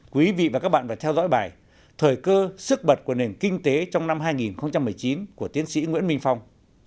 quý vị và các bạn phải theo dõi bài thời cơ sức bật của nền kinh tế trong năm hai nghìn một mươi chín của tiến sĩ nguyễn minh phong